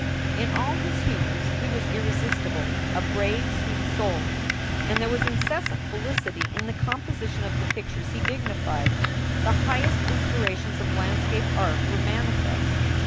In all his humors he was irresistible, a brave, sweet soul; and there was incessant felicity in the composition of the pictures he dignified. The highest inspirations of landscape art were manifest.